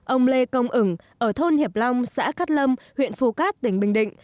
ông lê công ứng ở thôn hiệp long xã cát lâm huyện phù cát tỉnh bình định